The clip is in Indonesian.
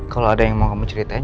kalau ada yang mau kamu ceritain